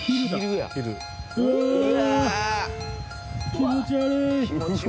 気持ち悪い。